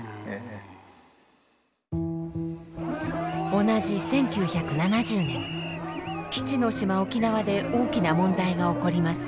同じ１９７０年基地の島沖縄で大きな問題が起こります。